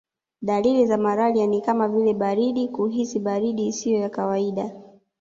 Dalili za malaria ni kama vile baridi kuhisi baridi isiyo ya kawaida